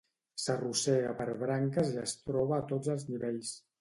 S'arrossega per branques i es troba a tots els nivells.